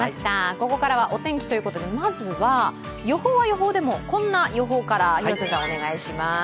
ここからはお天気ということでまずは、予報は予報でもこんな予報からお願いします。